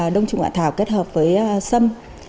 đồng trùng hạ thảo kết hợp với sâm